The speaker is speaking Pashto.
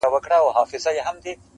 که حساب دی؛